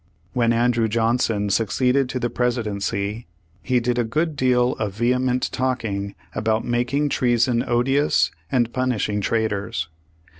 When Andrew Johnson succeeded to the Presi dency, he did a good deal of vehement talking about "making treason odious and punishing traitors."